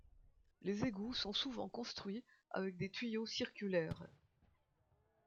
Les égouts sont souvent construits avec des tuyaux circulaires.